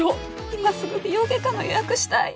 今すぐ美容外科の予約したい。